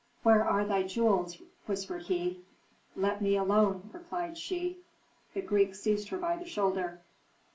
"Where are thy jewels?" whispered he. "Let me alone," replied she. The Greek seized her by the shoulder.